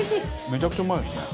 めちゃくちゃうまいですね。